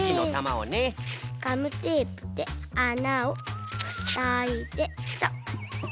ガムテープであなをふさいでっと。